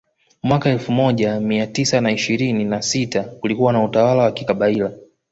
Mwaka elfu moja mia tisa na ishirini na sita kulikuwa na utawala wa kikabila